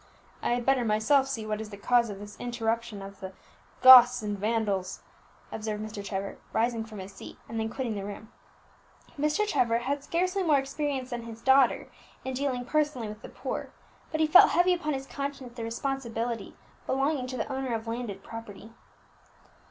"I had better myself see what is the cause of this irruption of the Goths and Vandals," observed Mr. Trevor, rising from his seat, and then quitting the room. Mr. Trevor had scarcely more experience than his daughter in dealing personally with the poor, but he felt heavy upon his conscience the responsibility belonging to the owner of landed property.